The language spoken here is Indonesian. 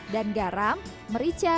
dan garam merica